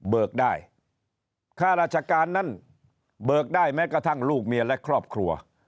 ได้ค่าราชการนั้นเบิกได้แม้กระทั่งลูกเมียและครอบครัว